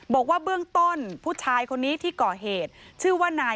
บอกว่าเบื้องต้นผู้ชายคนนี้ที่ก่อเหตุ